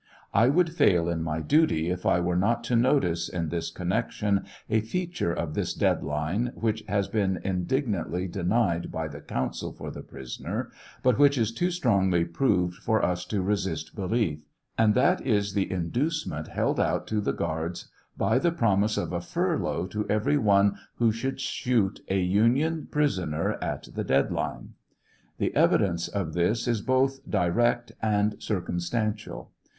I would fail in my duty if I were not to notice, in this connection, a feature of this "dead line" which has been indignantly denied by the counsel for the prisoner, but which is too strongly proved for us to resist belief; and that is the iudaceraent held out to the guards by the promise of a furlough to every one who should shoot a Union prisoner at the " dead line." The evidence of this is both direct and circuinstantial.